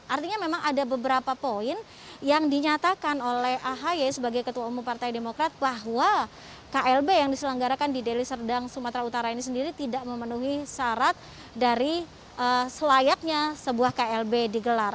artinya memang ada beberapa poin yang dinyatakan oleh ahy sebagai ketua umum partai demokrat bahwa klb yang diselenggarakan di deli serdang sumatera utara ini sendiri tidak memenuhi syarat dari selayaknya sebuah klb digelar